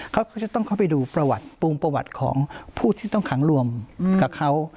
เขาจะต้องเข้าไปดูประวัติปรุงประวัติของผู้ที่ต้องขังรวมกับเขา